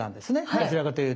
どちらかというと。